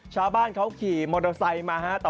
ชาวบ้านเขาขี่มอเตอร์ไซค์มาฮะ